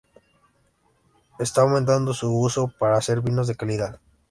Está aumentando su uso para hacer vinos de calidad.